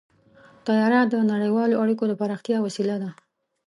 طیاره د نړیوالو اړیکو د پراختیا وسیله ده.